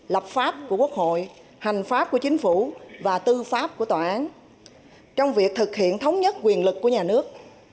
lập pháp của quốc hội hành pháp của chính phủ và tư pháp của tòa án trong việc thực hiện thống nhất quyền lực của nhà nước